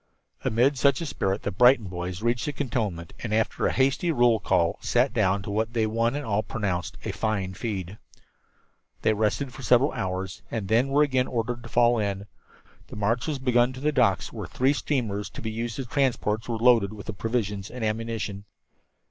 Amid such a spirit the Brighton boys reached the cantonment and after a hasty roll call sat down to what they one and all pronounced a "fine feed." They rested for several hours and then were again ordered to fall in. The march was begun to the docks, where three steamers to be used as transports were being loaded with provisions and ammunition.